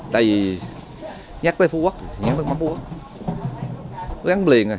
tại vì nhắc tới phú quốc nhắc đến nước mắm phú quốc gắn liền rồi